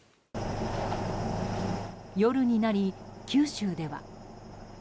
夜になり、九州では。